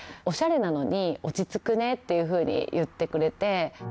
オシャレなのに落ち着くねっていうふうに言ってくれて。